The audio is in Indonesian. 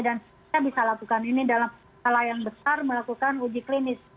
dan kita bisa lakukan ini dalam hal yang besar melakukan uji klinis